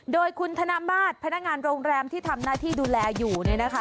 โดยคุณธนมาตรพนักงานโรงแรมที่ทำหน้าที่ดูแลอยู่